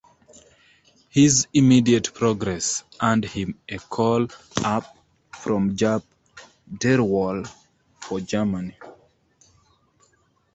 His immediate progress earned him a call-up from Jupp Derwall for Germany.